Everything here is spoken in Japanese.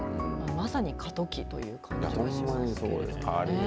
まさに過渡期という感じがしますね。